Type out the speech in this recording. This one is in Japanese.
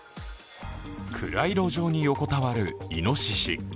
暗い路上に横たわるいのしし。